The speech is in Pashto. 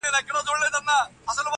هم برېتونه هم لكۍ يې ښوروله!.